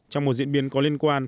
trong một diễn biến có liên quan